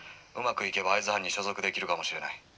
うまくいけば会津藩に所属できるかもしれない」。